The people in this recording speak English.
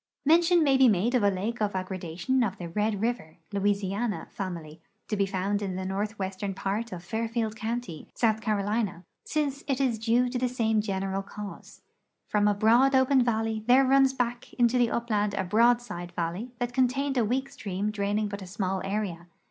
Mention may be made of a lake of aggradation of the Red river (Louisiana) fatnily, to be found in the northwestern part of Fairfield county, S. C, since it is due to the same general cause. From a broad open valley there runs back into the upland a broad side valley that contained a weak stream draining but a small area.